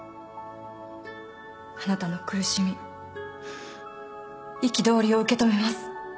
あなたの苦しみ憤りを受け止めます。